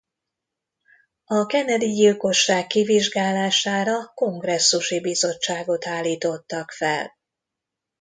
A Kennedy-gyilkosság kivizsgálására kongresszusi bizottságot állítottak fel.